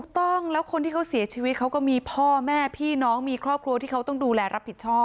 ตอนนี้ต้องฆาตกรแล้วละ